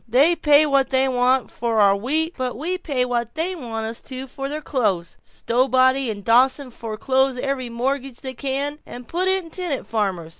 They pay what they want to for our wheat, but we pay what they want us to for their clothes. Stowbody and Dawson foreclose every mortgage they can, and put in tenant farmers.